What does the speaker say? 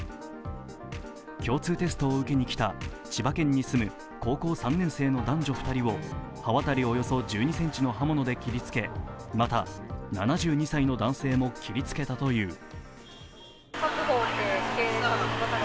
共通テストを受けに来た千葉県に住む高校３年生の男女２人を刃渡りおよそ１２ｃｍの刃物で切りつけまた、７２歳の男性も切りつけたという。